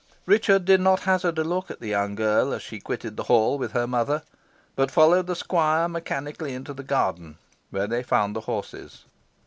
Richard did not hazard a look at the young girl as she quitted the hall with her mother, but followed the squire mechanically into the garden, where they found the horses.